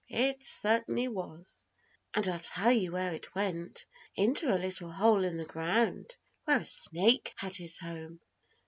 It certainly was. And I'll tell you where it went. Into a little hole in the ground where a snake had his home.